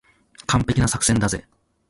完璧な作戦だぜ。